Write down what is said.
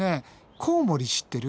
コウモリ知ってる？